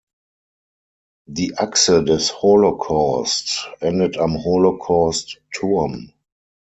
Die Achse des Holocaust endet am Holocaust-Turm.